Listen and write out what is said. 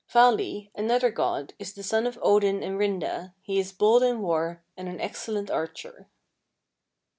31. "Vali, another god, is the son of Odin and Rinda, he is bold in war, and an excellent archer.